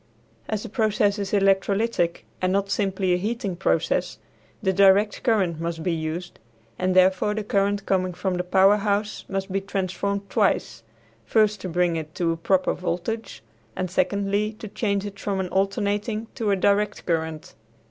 As the process is electrolytic, and not simply a heating process, the direct current must be used, and therefore the current coming from the power house must be transformed twice; first to bring it to a proper voltage and secondly to change it from an alternating to a direct current.